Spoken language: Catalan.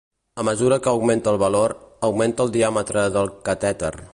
A mesura que augmenta el valor, augmenta el diàmetre del catèter.